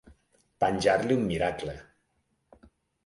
Penjar-li un miracle.